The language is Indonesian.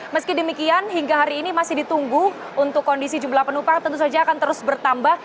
meski demikian hingga hari ini masih ditunggu untuk kondisi jumlah penumpang tentu saja akan terus bertambah